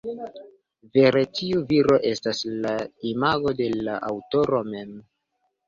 Vere tiu viro estas la imago de la aŭtoro mem.